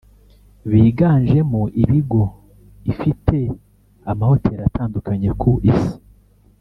biganjemo ibigo ifite amahoteli atandukanye ku isi